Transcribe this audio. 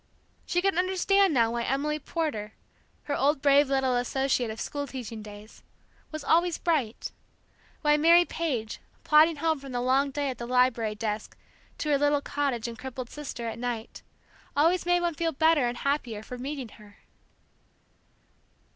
She could understand now why Emily Porter, her old brave little associate of school teaching days, was always bright, why Mary Page, plodding home from the long day at the library desk to her little cottage and crippled sister, at night, always made one feel the better and happier for meeting her.